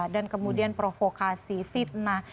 dan kemudian provokasi fitnah